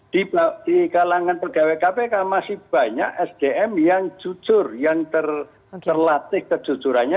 di kalangan pegawai kpk masih banyak sdm yang jujur yang terlatih kejujurannya